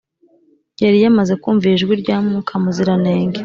yari yamaze kumvira ijwi rya mwuka muziranenge